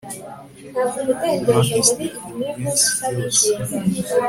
marquis de pourceaugnac yose